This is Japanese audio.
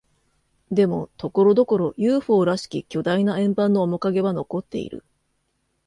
でも、ところどころ、ＵＦＯ らしき巨大な円盤の面影は残っている。